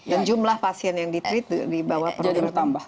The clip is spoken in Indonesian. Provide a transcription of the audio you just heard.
dan jumlah pasien yang di treat dibawah perut